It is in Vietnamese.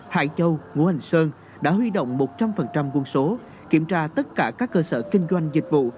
hải châu ngũ hành sơn đã huy động một trăm linh quân số kiểm tra tất cả các cơ sở kinh doanh dịch vụ